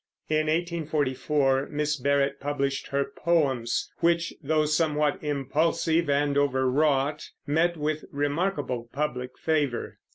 In 1844 Miss Barrett published her Poems, which, though somewhat impulsive and overwrought, met with remarkable public favor.